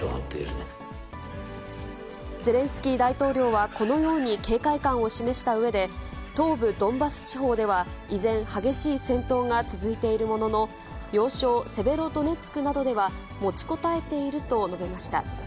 ゼレンスキー大統領はこのように警戒感を示したうえで、東部ドンバス地方では依然、激しい戦闘が続いているものの、要衝セベロドネツクなどでは、持ちこたえていると述べました。